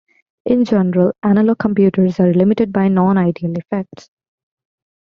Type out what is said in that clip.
In general, analog computers are limited by non-ideal effects.